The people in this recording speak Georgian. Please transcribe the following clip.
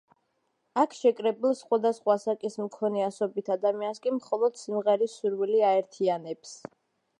აქ შეკრებილ სხვადასხვა ასაკის მქონე ასობით ადამიანს კი მხოლოდ სიმღერის სურვილი აერთიანებს.